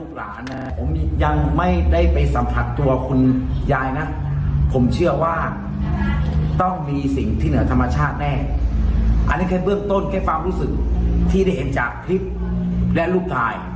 หมอปลาว่ายังไงคะ